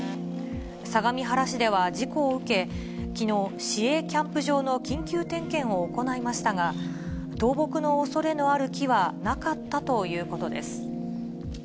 相模原市では事故を受け、きのう、市営キャンプ場の緊急点検を行いましたが、倒木のおそれのある木はなかったということです。